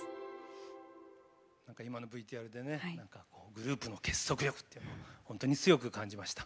今のＶＴＲでねグループの結束力っていうのを本当に強く感じました。